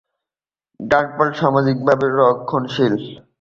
Dunlop সামাজিকভাবে রক্ষণশীল।